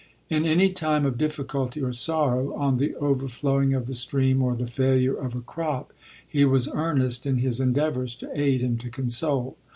In any time of difficulty or sorrow — on the overflowing of the stream, or the failure of a crop, he was earnest in his en deavours to aid and to console.